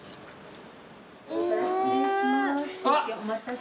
失礼します。